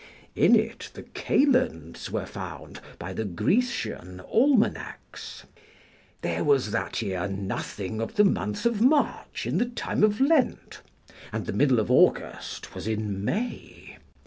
In it the kalends were found by the Grecian almanacks. There was that year nothing of the month of March in the time of Lent, and the middle of August was in May.